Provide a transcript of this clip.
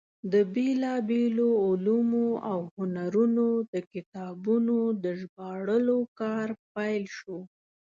د بېلابېلو علومو او هنرونو د کتابونو د ژباړلو کار پیل شو.